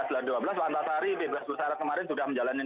setelah dua belas pak antasari bebas selesai kemarin sudah menjalani dua belas